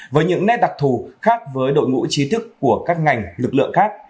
với những nét đặc thù khác với đội ngũ trí thức của các ngành lực lượng khác